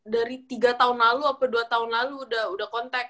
dari tiga tahun lalu atau dua tahun lalu udah kontak